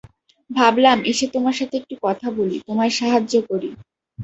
ভাবলাম, এসে তোমার সাথে একটু কথা বলি, তোমায় সাহায্য করি।